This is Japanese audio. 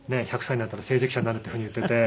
１００歳になったら政治記者になるっていうふうに言ってて。